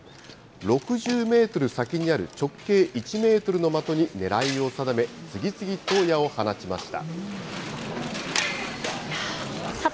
６０メートル先にある直径１メートルの的に狙いを定め、次々と矢を放ちました。